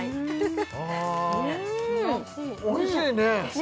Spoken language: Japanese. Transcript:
ああおいしいね